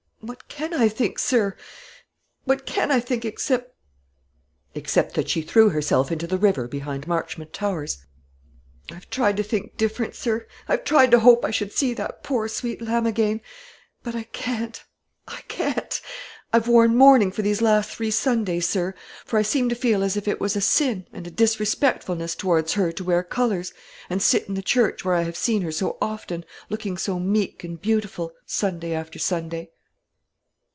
What can I think, sir, what can I think, except " "Except that she threw herself into the river behind Marchmont Towers." "I've tried to think different, sir; I've tried to hope I should see that poor sweet lamb again; but I can't, I can't. I've worn mourning for these three last Sundays, sir; for I seemed to feel as if it was a sin and a disrespectfulness towards her to wear colours, and sit in the church where I have seen her so often, looking so meek and beautiful, Sunday after Sunday."